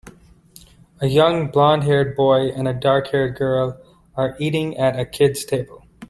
A young blondhaired boy and a darkhaired girl are eating at a kid 's table.